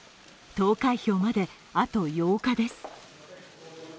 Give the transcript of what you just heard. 投開票まであと８日です。